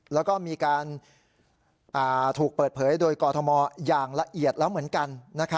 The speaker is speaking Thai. แล้วก็มีการถูกเปิดเผยโดยกอทมอย่างละเอียดแล้วเหมือนกัน